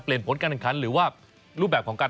เปลี่ยนผลการคันหรือว่ารูปแบบของการ